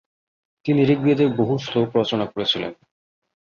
তিনি ঋগ্বেদের বহু শ্লোক রচনা করেছিলেন।